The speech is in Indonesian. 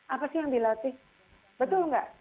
apa sih yang dilatih betul nggak